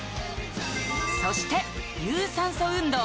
そして有酸素運動